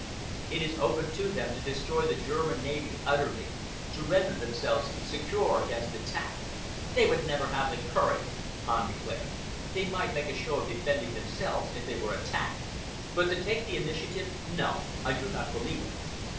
It is open to them to destroy the German navy utterly, to render themselves secure against attack." "They would never have the courage," Kahn declared. "They might make a show of defending themselves if they were attacked, but to take the initiative—no! I do not believe it."